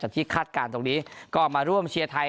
จากที่คาดการณ์ตรงนี้